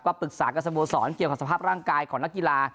ปรึกษากับสโมสรเกี่ยวกับสภาพร่างกายของนักกีฬา